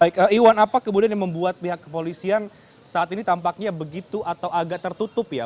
baik iwan apa kemudian yang membuat pihak kepolisian saat ini tampaknya begitu atau agak tertutup ya